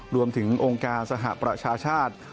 รวมถึงองค์การสหประชาชาติ